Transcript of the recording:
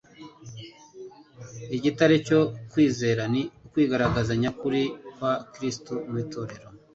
Igitare cyo kwizera ni ukwigaragaza nyakuri kwa Kristo mu itorero.